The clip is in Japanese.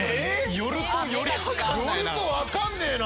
寄ると分かんねえな。